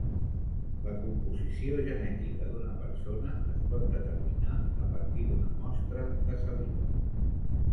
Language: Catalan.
La composició genètica d'una persona es pot determinar a partir d'una mostra de saliva.